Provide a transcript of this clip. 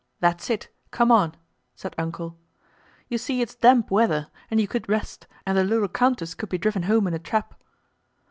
That's it, come on!" said "Uncle." "You see it's damp weather, and you could rest, and the little countess could be driven home in a trap."